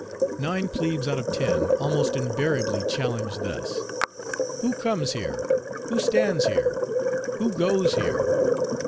Nine plebes out of ten almost invariably challenge thus, "Who comes here?" "Who stands here?" "Who goes here?"